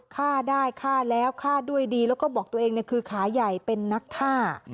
ฆ่าได้ฆ่าแล้วฆ่าด้วยดีแล้วก็บอกตัวเองคือขาใหญ่เป็นนักฆ่า